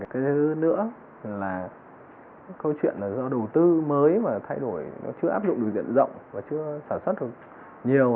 cái thứ nữa là câu chuyện là do đầu tư mới mà thay đổi nó chưa áp dụng được diện rộng và chưa sản xuất được nhiều